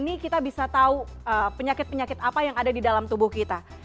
ini kita bisa tahu penyakit penyakit apa yang ada di dalam tubuh kita